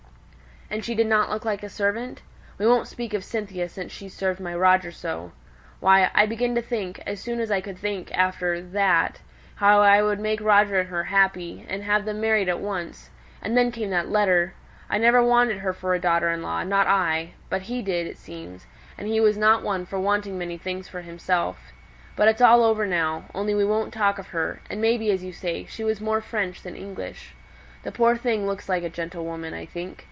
"And she didn't look like a servant? We won't speak of Cynthia since she's served my Roger so. Why, I began to think, as soon as I could think after that, how I would make Roger and her happy, and have them married at once; and then came that letter! I never wanted her for a daughter in law, not I. But he did, it seems; and he wasn't one for wanting many things for himself. But it's all over now; only we won't talk of her; and maybe, as you say, she was more French than English. This poor thing looks like a gentlewoman, I think.